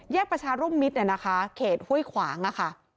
แยกประชารุ่มมิตรเนี่ยนะคะเขตหุ้ยขวางอ่ะค่ะ